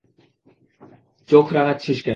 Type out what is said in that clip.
চোখ রাঙাচ্ছিস কেন?